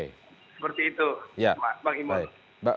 seperti itu bang imah